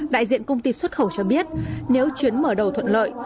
đại diện công ty xuất khẩu cho biết nếu chuyến mở đầu thuận lợi